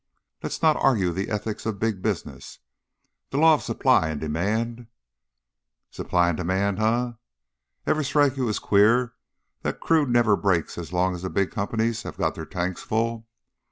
"Let's not argue the ethics of big business. The law of supply and demand " "Supply and demand, eh? Ever strike you as queer that crude never breaks as long as the big companies have got their tanks full?